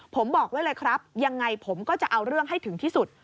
ผมบอกไว้เลยครับยังไงผมก็จะเอาเรื่องให้ถึงที่สุด